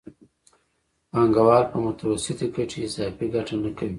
پانګوال په متوسطې ګټې اضافي ګټه نه کوي